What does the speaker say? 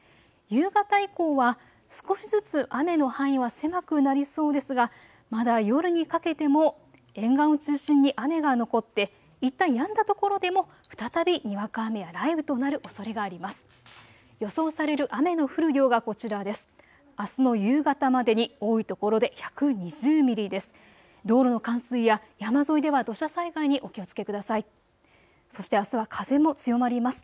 夕方以降は少しずつ雨の範囲は狭くなりそうですが、まだ夜にかけても沿岸を中心に雨が残っていったんやんだ所でも再びにわか雨や雷雨となるおそれがあります。